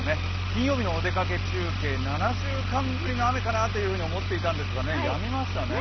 金曜日のお出かけ中継、７週間ぶりの雨かと思ってたんですがやみましたね。